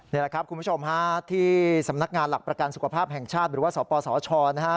นี่แหละครับคุณผู้ชมฮะ